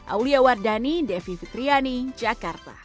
aulia wardani devi fitriani jakarta